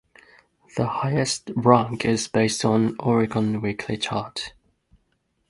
The highest rank is based on Oricon weekly charts